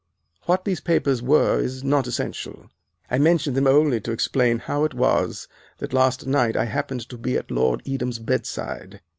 What these papers were is not essential; I mention them only to explain how it was that last night I happened to be at Lord Edam's bed side.